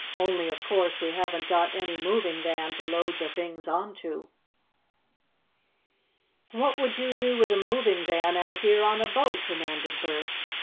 "Only, of course, we haven't got any moving van to load the things on to." "What would you do with a moving van out here on a boat?" demanded Bert.